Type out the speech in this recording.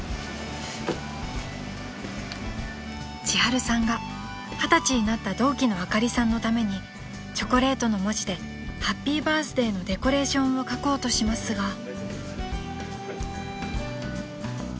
［千春さんが二十歳になった同期のあかりさんのためにチョコレートの文字でハッピーバースデーのデコレーションを書こうとしますが］